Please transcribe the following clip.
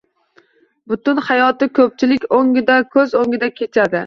Butun hayoti koʻpchilik koʻz oʻngida kichadi.